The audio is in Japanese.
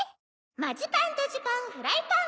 マジパンドジパンフライパン。